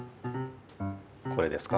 これですか？